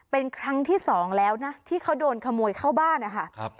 เป็นครั้งที่สองแล้วนะที่เขาโดนขโมยเข้าบ้านนะคะ